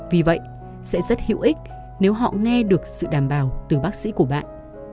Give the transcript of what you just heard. vì vậy sẽ rất hữu ích nếu họ nghe được sự đảm bảo từ bác sĩ của bạn